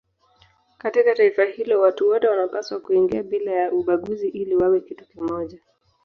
Katika taifa hilo watu wote wanapaswa kuingia bila ya ubaguzi ili wawe kitu kimoja.